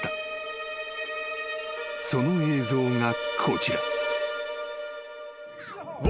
［その映像がこちら］